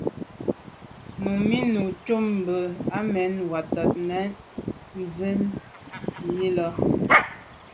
Numi nɔ́’ cup mbʉ̀ a mɛ́n Watɛ̀ɛ́t nɔ́ɔ̀’ nswɛ́ɛ̀n í lá.